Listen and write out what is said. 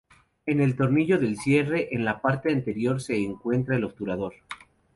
En el tornillo del cierre, en la parte anterior se encuentra el obturador.